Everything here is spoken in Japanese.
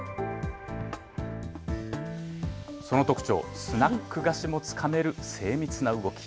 その特徴、スナック菓子もつかめる精密な動き。